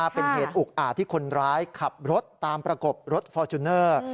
เป็นเหตุอุกอาจที่คนร้ายขับรถตามประกบรถฟอร์จูเนอร์